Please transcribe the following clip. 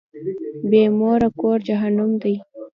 بی موره کور جهنم دی.